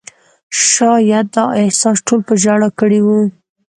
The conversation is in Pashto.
شاید دا احساس ټول په ژړا کړي وو.